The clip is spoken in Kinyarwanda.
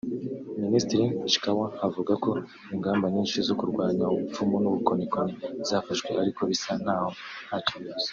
Minisitiri Chikawe avuga ko ingamba nyinshi zo kurwanya ubupfumu n’ubukonikoni zafashwe ariko bisa ntaho ntacyo bivuze